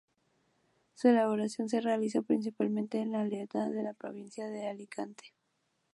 Su elaboración se realiza principalmente en Altea, en la provincia de Alicante.